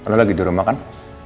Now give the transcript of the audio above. karena lagi di rumah kan